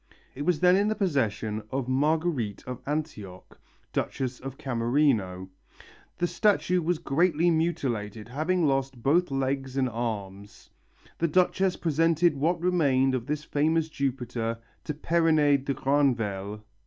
It was then in the possession of Marguerite of Antioch, Duchess of Camerino. The statue was greatly mutilated, having lost both legs and arms. The Duchess presented what remained of this famous Jupiter to Perronet de Granvelle.